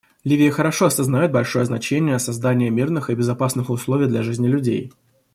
Ливия хорошо осознает большое значение создания мирных и безопасных условий для жизни людей.